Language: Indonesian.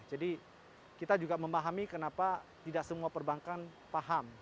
jadi kita juga memahami kenapa tidak semua perbankan paham